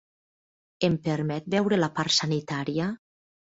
Em permet veure la part sanitària?